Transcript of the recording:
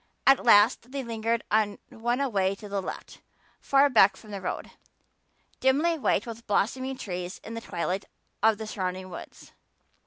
At last they lingered on one away to the left, far back from the road, dimly white with blossoming trees in the twilight of the surrounding woods.